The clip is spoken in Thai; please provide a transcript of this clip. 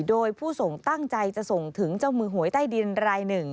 โดยผู้ส่งตั้งใจจะส่งถึงเจ้ามือหวยใต้ดินรายหนึ่ง